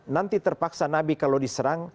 nanti terpaksa nabi kalau diserang